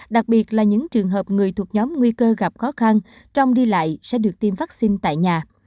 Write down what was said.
đặc biệt là những trường hợp người thuộc nhóm nguy cơ gặp khó khăn trong đi lại sẽ được tiêm vaccine tại nhà